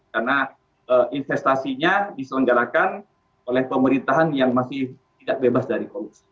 karena investasinya diselenggarakan oleh pemerintahan yang masih tidak bebas dari korupsi